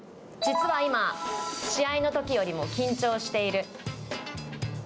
実は今、試合のときよりも緊張している。